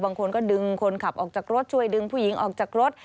บางคนก็ดึงคนขับออกจากรถช่วยดึงผู้หญิงออกจากรถ